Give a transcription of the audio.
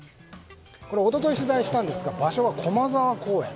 一昨日取材したんですが場所は駒沢公園。